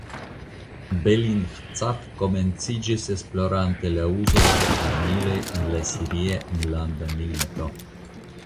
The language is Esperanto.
Bellingcat komenciĝis esplorante la uzon de armiloj en la siria enlanda milito.